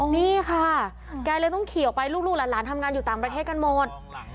นี่ค่ะแกเลยต้องขี่ออกไปลูกหลานทำงานอยู่ต่างประเทศกันหมด